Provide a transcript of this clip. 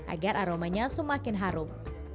agar aromanya semakin harum